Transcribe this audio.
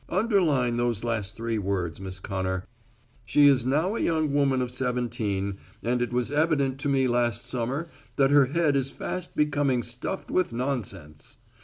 Underline those last three words, Miss Connor. She is now a young woman of seventeen, and it was evident to me last summer that her head is fast becoming stuffed with nonsense.